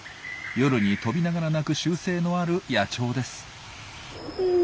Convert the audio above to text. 夜に飛びながら鳴く習性のある野鳥です。